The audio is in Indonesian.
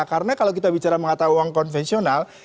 karena kalau kita bicara mengenai uang konvensional